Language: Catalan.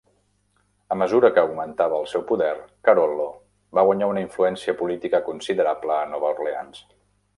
A mesura que augmentava el seu poder, Carollo va guanyar una influència política considerable a Nova Orleans.